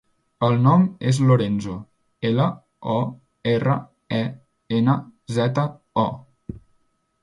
El nom és Lorenzo: ela, o, erra, e, ena, zeta, o.